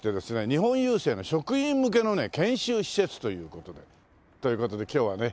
日本郵政の職員向けの研修施設という事で。という事で今日はね